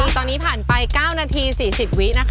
ตอนนี้ผ่านไป๙นาที๔๐วินะคะ